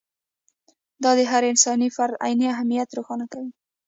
دا د هر انساني فرد عیني اهمیت روښانه کوي.